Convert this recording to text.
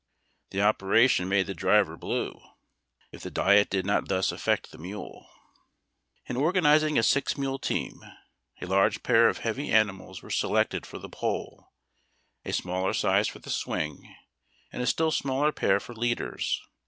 The operation made the driver blue, if the diet did not thus affect the mule. In organizing a six mule team, a large pair of heavy ani mals were selected for the pole, a smaller size for the swing, and a still smaller pair for leaders.